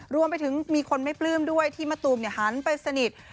รวมไปถึงมีคนไม่ปลื้มด้วยที่มะตูมหันไปสนิท